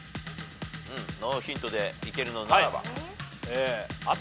ノーヒントでいけるのならば。